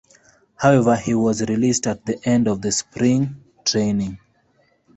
However, he was released at the end of spring training.